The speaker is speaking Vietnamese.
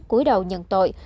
cuối đầu nhận tội